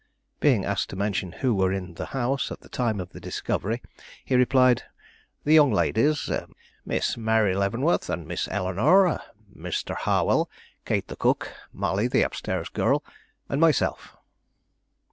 Being asked to mention who were in the house at the time of the discovery, he replied, "The young ladies, Miss Mary Leavenworth and Miss Eleanore, Mr. Harwell, Kate the cook, Molly the up stairs girl, and myself."